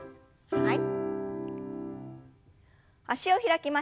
はい。